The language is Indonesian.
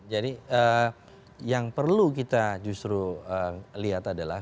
jadi yang perlu kita justru lihat adalah